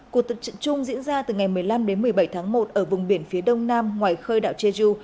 cuộc tập trận chung diễn ra từ ngày một mươi năm đến một mươi bảy tháng một ở vùng biển phía đông nam ngoài khơi đảo jeju